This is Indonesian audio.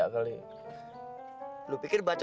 holay baik lah